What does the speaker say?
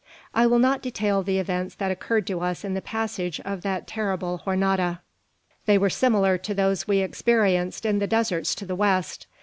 I will not detail the events that occurred to us in the passage of that terrible jornada. They were similar to those we experienced in the deserts to the west.